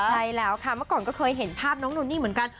ใช่แล้วค่ะเมื่อก่อนก็เคยเห็นภาพน้องนนนี่เหมือนกัน